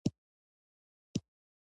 د بې ځایه مصرف څخه ډډه وکړئ.